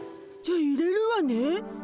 じゃいれるわね。